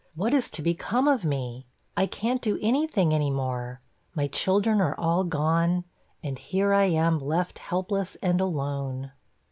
What is to become of me? I can't do anything any more my children are all gone, and here I am left helpless and alone.'